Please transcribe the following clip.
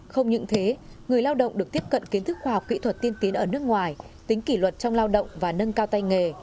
không những thế người lao động được tiếp cận kiến thức khoa học kỹ thuật tiên tiến ở nước ngoài tính kỷ luật trong lao động và nâng cao tay nghề